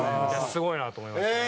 すごいなと思いましたね。